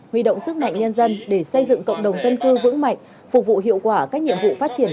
huy động sức mạnh nhân dân để xây dựng cộng đồng dân cư vững mạnh phục vụ hiệu quả các nhiệm vụ phát triển